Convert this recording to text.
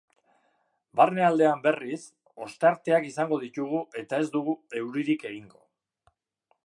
Barnealdean, berriz, ostarteak izango ditugu eta ez du euririk egingo.